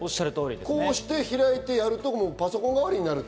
こうして開いてやるとパソコン代わりになると。